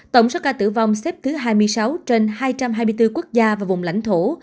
tổng số ca tử vong xếp thứ hai mươi sáu trên hai trăm hai mươi bốn quốc gia và vùng lãnh thổ